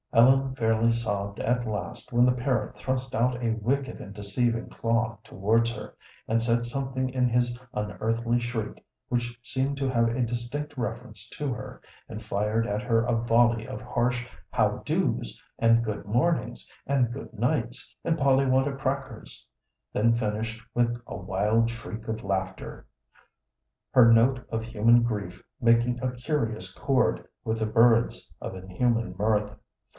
Ellen fairly sobbed at last when the parrot thrust out a wicked and deceiving claw towards her, and said something in his unearthly shriek which seemed to have a distinct reference to her, and fired at her a volley of harsh "How do's" and "Good mornings," and "Good nights," and "Polly want a cracker's," then finished with a wild shriek of laughter, her note of human grief making a curious chord with the bird's of inhuman mirth.